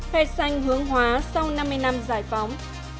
hệ sanh hướng hóa sau năm mươi năm giải phóng